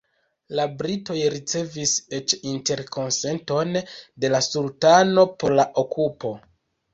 La britoj ricevis eĉ "interkonsenton” de la sultano por la okupo.